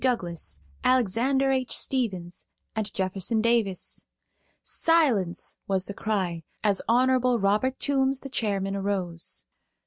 Douglas, Alexander H. Stevens, and Jefferson Davis. "Silence!" was the cry, as Hon. Robert Toombs, the chairman, arose.